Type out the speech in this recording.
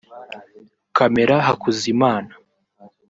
Camera Hakuzimana